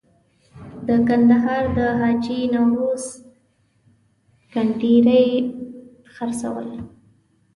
د کندهار د حاجي نوروز کنډیري خرڅول.